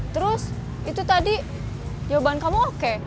terus itu tadi jawaban kamu oke